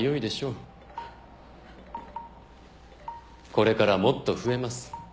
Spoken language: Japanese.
これからもっと増えます。